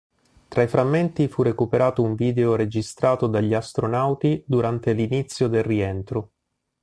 Tra i frammenti fu recuperato un video registrato dagli astronauti durante l'inizio del rientro.